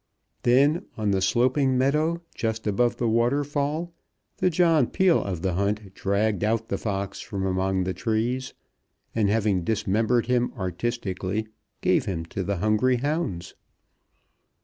Then on the sloping meadow just above the waterfall, the John Peel of the hunt dragged out the fox from among the trees, and, having dismembered him artistically, gave him to the hungry hounds.